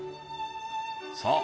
さあ